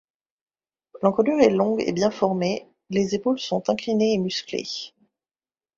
L'encolure est longue et bien formée, les épaules sont inclinées et musclées.